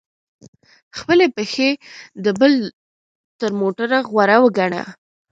خپلي پښې د بل تر موټر غوره وګڼه!